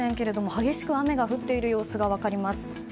激しく雨が降っている様子が確認できます。